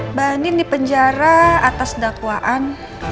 mbak andi dipenjara atas dakwaan